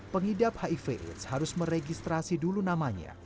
pengidap hiv aids harus meregistrasi dulu namanya